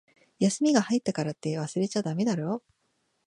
休みが入ったからって、忘れちゃだめだろ。